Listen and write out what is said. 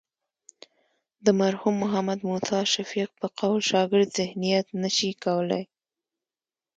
د مرحوم محمد موسی شفیق په قول شاګرد ذهنیت نه شي کولی.